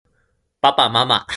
papa mama